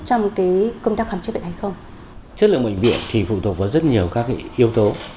chất lượng bệnh viện thì phụ thuộc vào rất nhiều các yếu tố